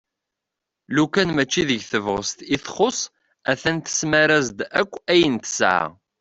Lukan mačči deg tebɣest i txu a-t-an tesmar-as-d akk ayen tesɛa.